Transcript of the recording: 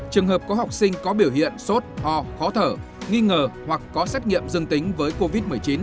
trường hợp có học sinh có biểu hiện sốt ho khó thở nghi ngờ hoặc có xét nghiệm dương tính với covid một mươi chín